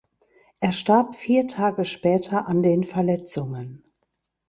Er starb vier Tage später an den Verletzungen.